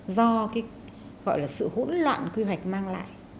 do sự hỗn loạn quy hoạch mang lại